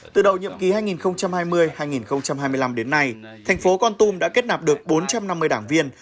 từ đầu nhiệm ký hai nghìn hai mươi hai nghìn hai mươi năm đến nay thành phố con tum đã kết nạp được bốn trăm năm mươi đảng viên